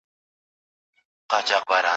چي مي کور د رقیب سوځي دا لمبه له کومه راوړو